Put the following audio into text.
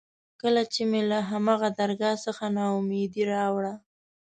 کله چې مې له هماغه درګاه څخه نا اميدي راوړه.